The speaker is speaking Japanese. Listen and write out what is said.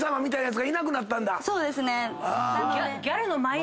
そうですね。